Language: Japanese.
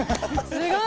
すごい！